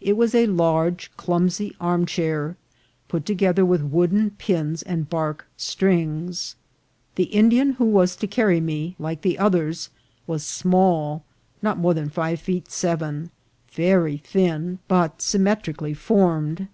It was a large, clumsy armchair, put together with wooden pins and bark strings. The In dian who was to carry me, like all the others, was small, not more than five feet seven, very thin, but symmetri cally formed.